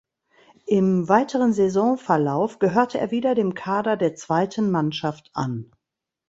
Im weiteren Saisonverlauf gehörte er wieder dem Kader der zweiten Mannschaft an.